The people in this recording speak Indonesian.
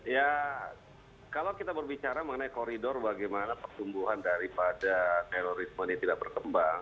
ya kalau kita berbicara mengenai koridor bagaimana pertumbuhan daripada terorisme ini tidak berkembang